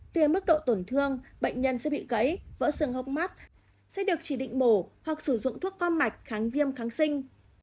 tuy nhiên mức độ tổn thương bệnh nhân sẽ bị gãy vỡ sườn hốc mắt sẽ được chỉ định bổ hoặc sử dụng thuốc con mạch kháng viêm kháng sinh